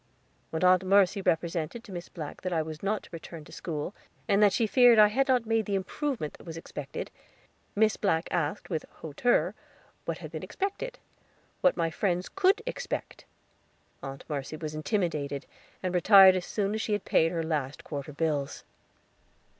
When Aunt Mercy represented to Miss Black that I was not to return to school, and that she feared I had not made the improvement that was expected, Miss Black asked, with hauteur, what had been expected what my friends could expect. Aunt Mercy was intimidated, and retired as soon as she had paid her the last quarter's bills.